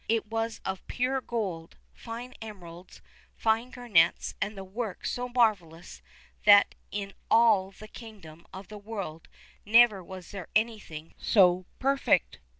"It was of pure gold, fine emeralds, fine garnets, and the work so marvellous that in all the kingdoms of the world never was there anything so perfect."